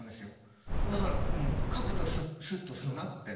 だから書くとスッとするなって。